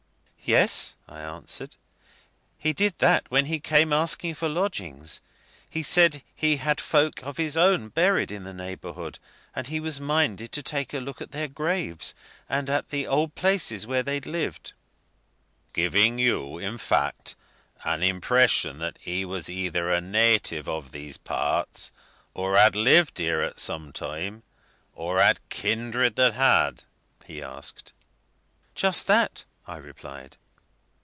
"Yes," I answered; "he did that when he came asking for lodgings. He said he had folk of his own buried in the neighbourhood, and he was minded to take a look at their graves and at the old places where they'd lived." "Giving you, in fact, an impression that he was either a native of these parts, or had lived here at some time, or had kindred that had?" he asked. "Just that," I replied.